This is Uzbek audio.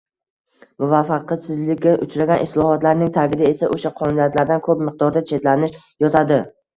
Muvaffaqiyatsizlikka uchragan islohotlarning tagida esa o‘sha qonuniyatlardan ko‘p miqdorda chetlanish yotadi.